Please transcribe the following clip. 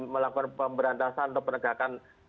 melakukan pemberantasan atau penegakan